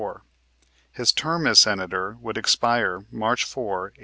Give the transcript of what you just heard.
His term as Senator would expire March 4, 1875.